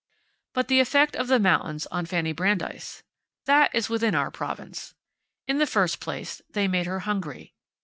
But the effect of the mountains on Fanny Brandeis. That is within our province. In the first place, they made her hungry.